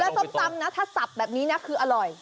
แล้วส้มตำอันนี้คืออร่อย